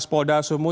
mas polda sumu